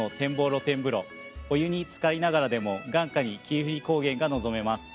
お湯につかりながらでも眼下に霧降高原が望めます。